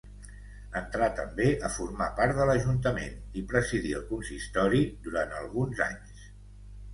Entrà també a formar part de l'Ajuntament i presidí el Consistori durant alguns anys.